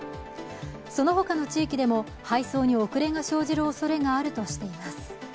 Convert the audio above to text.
そのほかの地域でも配送に遅れが生じるおそれがあるとしています。